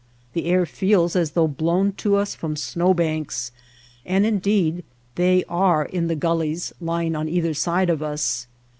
The air feels as though blown to us from snow banks^ and indeed, they are in the gullies lying on either side of us.